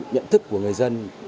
nhận thức của người dân